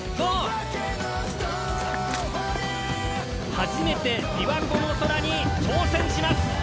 初めて琵琶湖の空に挑戦します！